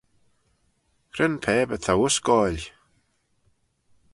Cre'n pabyr t'ou uss goaill?